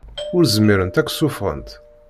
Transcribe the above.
Ur zmirent ad k-ssufɣent.